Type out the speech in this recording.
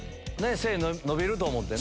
背、伸びると思ってね。